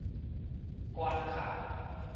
關卡